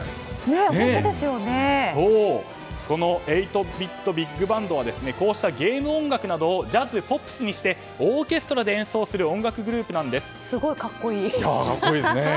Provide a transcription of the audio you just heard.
エイトビッド・ビッグバンドはこうしたゲーム音楽などをジャズ・ポップスにしてオーケストラで演奏するすごい格好いい。